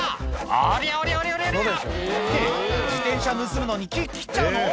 おりゃおりゃおりゃ！」って自転車盗むのに木切っちゃうの？